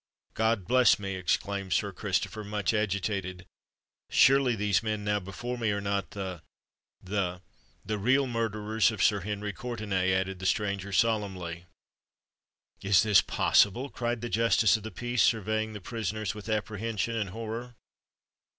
"God bless me!" exclaimed Sir Christopher, much agitated: "surely these men now before me are not the—the——" "The real murderers of Sir Henry Courtenay!" added the stranger solemnly. "Is this possible?" cried the Justice of the Peace, surveying the prisoners with apprehension and horror.